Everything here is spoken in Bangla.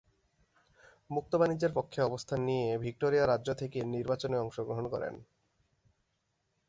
মুক্ত বাণিজ্যের পক্ষে অবস্থান নিয়ে ভিক্টোরিয়া রাজ্য থেকে নির্বাচনে অংশগ্রহণ করেন।